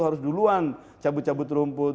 harus duluan cabut cabut rumput